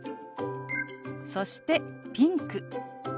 そして「ピンク」。